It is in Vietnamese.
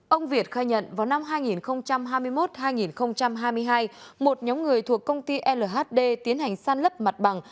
ông việt khai nhận vào năm hai nghìn hai mươi một hai nghìn hai mươi hai một nhóm người thuộc công ty lhd tiến hành săn lấp mặt bằng